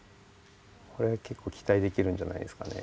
これは結構きたいできるんじゃないですかね。